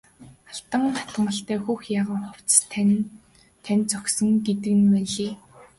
Алтан хатгамалтай хөх ягаан хувцас тань танд зохисон гэдэг нь ванлий!